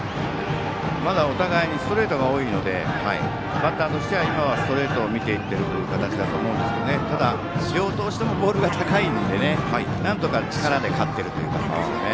まだお互いにストレートが多いのでバッターとしてはストレートを見て打っている形だと思うんですが、両投手ともボールが高いのでなんとか力で勝っている感じですね。